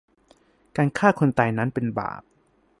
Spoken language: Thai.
การฆ่าคนตายนั้น เป็นบาป